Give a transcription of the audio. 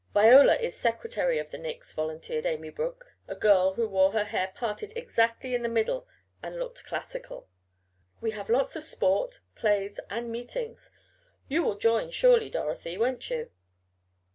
"Viola is secretary of the Nicks," volunteered Amy Brook, a girl who wore her hair parted exactly in the middle and looked classical. "We have lots of sport; plays and meetings. You will join, surely, Dorothy, won't you?"